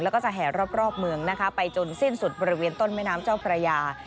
แล้วก็จะแห่รอบเมืองนะคะไปจนสิ้นสุดบริเวณต้นแม่น้ำเจ้าพระยา